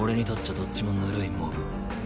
どっちもぬるいモブ。